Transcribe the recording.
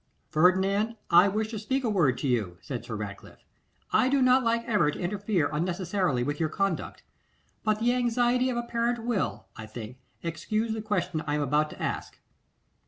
'Ferdinand, I wish to speak a word to you,' said Sir Ratcliffe. 'I do not like ever to interfere unnecessarily with your conduct; but the anxiety of a parent will, I think, excuse the question I am about to ask.